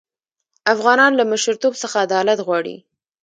افغانان له مشرتوب څخه عدالت غواړي.